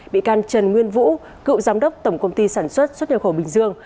bị can trần nguyên vũ cựu giám đốc tổng công ty sản xuất xuất nhập khẩu bình dương